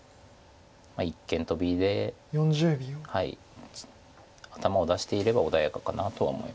一間トビで頭を出していれば穏やかかなとは思います。